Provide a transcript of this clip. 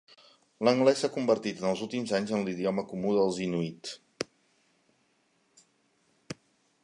L'anglès s'ha convertit en els últims anys en l'idioma comú dels inuit.